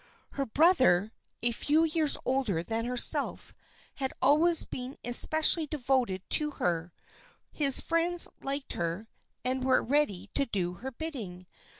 Her brother, a few years older than herself, had always been especially devoted to her, his friends liked her and were ready to do her bidding.